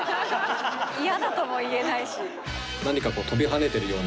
嫌だとも言えないし。